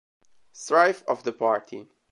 Strife of the Party